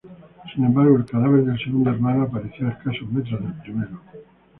Sin embargo, el cadáver del segundo hermano apareció a escasos metros del primero.